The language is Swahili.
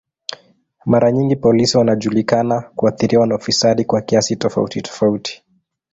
Mara nyingi polisi wanajulikana kuathiriwa na ufisadi kwa kiasi tofauti tofauti.